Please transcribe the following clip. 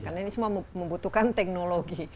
karena ini semua membutuhkan teknologi